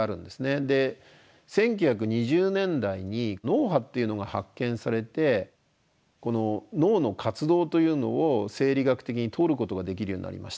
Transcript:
１９２０年代に脳波っていうのが発見されてこの脳の活動というのを生理学的に取ることができるようになりました。